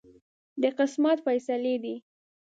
د قسمت فیصلې دي.